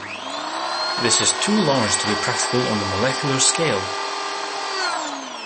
This is too large to be practical on the molecular scale.